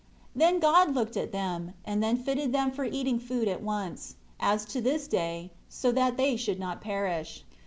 6 Then God looked at them, and then fitted them for eating food at once; as to this day; so that they should not perish.